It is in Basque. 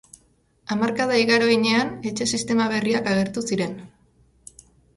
Hamarkada igaro heinean, etxe-sistema berriak agertu ziren.